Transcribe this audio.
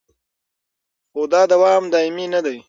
خو دا دوام دایمي نه دی